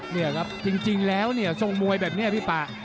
นี่ครับจริงแล้วเนี่ยทรงมวยแบบนี้พี่ป่า